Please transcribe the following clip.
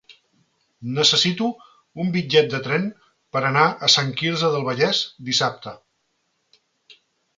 Necessito un bitllet de tren per anar a Sant Quirze del Vallès dissabte.